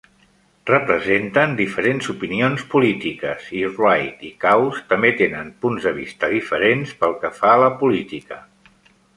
Representen diferents opinions polítiques i Wright i Kaus també tenen punts de vista diferents pel que fa a la política.